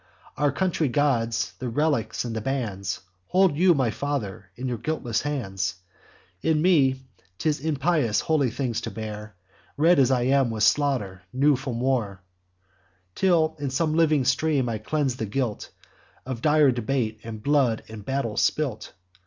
Our country gods, the relics, and the bands, Hold you, my father, in your guiltless hands: In me 'tis impious holy things to bear, Red as I am with slaughter, new from war, Till in some living stream I cleanse the guilt Of dire debate, and blood in battle spilt.